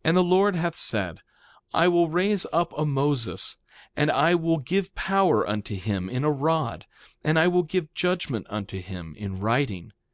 3:17 And the Lord hath said: I will raise up a Moses; and I will give power unto him in a rod; and I will give judgment unto him in writing.